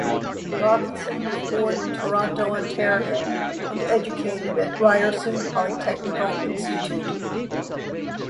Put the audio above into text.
Robinson was born in Toronto, Ontario, and educated at Ryerson Polytechnical Institute.